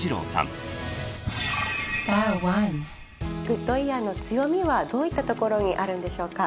グッドイヤーの強みはどういったところにあるんでしょうか？